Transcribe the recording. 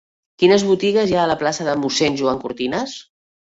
Quines botigues hi ha a la plaça de Mossèn Joan Cortinas?